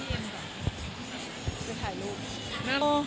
เออที่นั่งออกรายการ